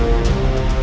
aku akan menangkapmu